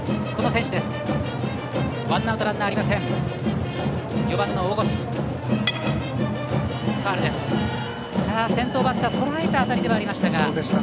先頭バッターとらえた当たりではありましたが。